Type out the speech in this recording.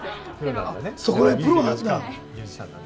そこはプロなんだ。